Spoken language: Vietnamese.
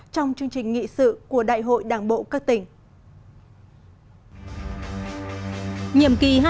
trong chương trình nghị sự của đại hội đảng bộ các tỉnh